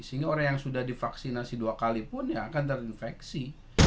sehingga orang yang sudah divaksinasi dua kali pun ya akan terinfeksi